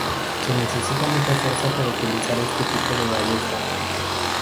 Se necesita mucha fuerza para utilizar este tipo de ballesta.